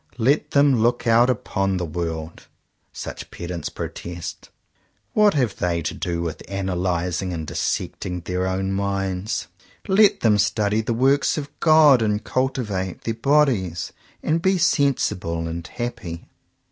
"Let them look out upon the world;" such pedants protest. "What have they to do with analyzing and dissecting their own minds? Let them study the works of God, and cultivate their bodies, and be sensible and happy."